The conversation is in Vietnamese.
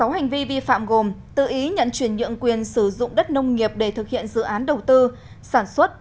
sáu hành vi vi phạm gồm tự ý nhận chuyển nhượng quyền sử dụng đất nông nghiệp để thực hiện dự án đầu tư sản xuất